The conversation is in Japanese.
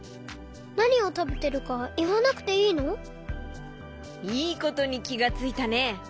なにをたべてるかいわなくていいの？いいことにきがついたね！